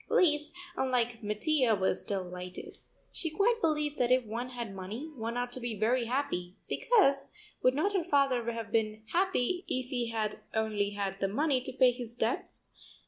Lise, unlike Mattia, was delighted. She quite believed that if one had money one ought to be very happy, because, would not her father have been happy if he had only had the money to pay his debts?